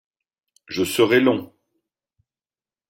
Je serai long.